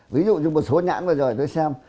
ví dụ như một số nhãn bây giờ tôi xem